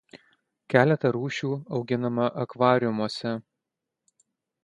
Keletą rūšių auginama akvariumuose.